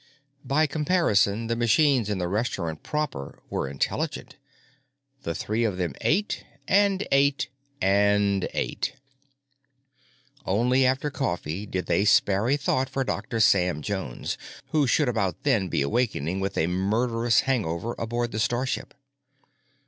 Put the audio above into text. By comparison the machines in the restaurant proper were intelligent. The three of them ate and ate and ate. Only after coffee did they spare a thought for Dr. Sam Jones, who should about then be awakening with a murderous hangover aboard the starship.